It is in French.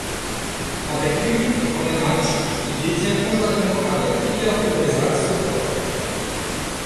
Avec huit buts en un match, il détient conjointement avec Peter Obresa ce record.